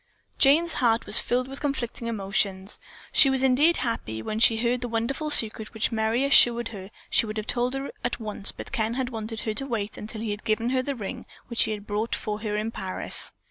Jane's heart was filled with conflicting emotions. She was indeed happy when she heard the wonderful secret which Merry assured her she would have told her at once but Ken had wanted her to wait until he had given her the ring which he had bought for her in Paris.